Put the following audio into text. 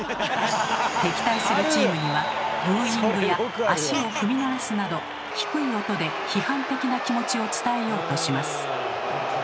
敵対するチームにはブーイングや足を踏み鳴らすなど低い音で批判的な気持ちを伝えようとします。